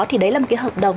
thì đấy là một cái hợp đồng